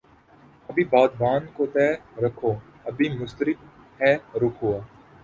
ابھی بادبان کو تہ رکھو ابھی مضطرب ہے رخ ہوا